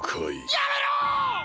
やめろ！